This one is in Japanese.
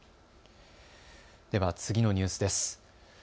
では次のニュースです。